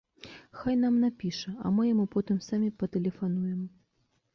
Хай нам напіша, а мы яму потым самі патэлефануем.